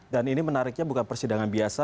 dan ini menariknya bukan persidangan biasa